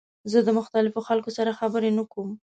زه د مختلفو خلکو سره خبرې نه کوم.